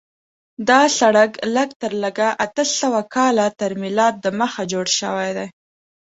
دا سړک لږ تر لږه اته سوه کاله تر میلاد دمخه جوړ شوی دی.